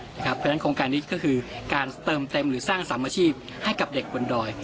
เพราะฉะนั้นโครงการนี้ก็คือการเติมเต็มหรือสร้างสามอาชีพให้กับเด็กบนดอย